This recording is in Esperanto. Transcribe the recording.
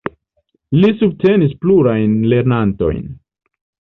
Li subtenis plurajn lernantojn.